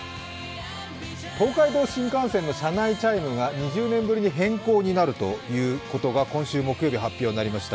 東海道新幹線の車内チャイムが２０年ぶりに変更になることが今週木曜日、発表になりました。